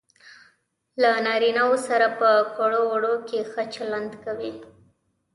له نارینه وو سره په ګړو وړو کې ښه چلند کوي.